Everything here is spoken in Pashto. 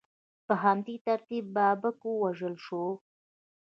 په همدې ترتیب بابک ووژل شو.